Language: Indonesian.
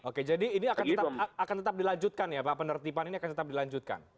oke jadi ini akan tetap dilanjutkan ya pak penertiban ini akan tetap dilanjutkan